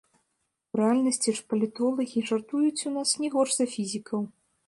У рэальнасці ж палітолагі жартуюць у нас не горш за фізікаў.